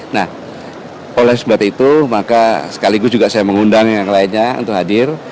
nah oleh sebab itu maka sekaligus juga saya mengundang yang lainnya untuk hadir